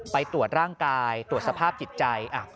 ไปตรวจร่างกายตรวจสภาพจิตใจ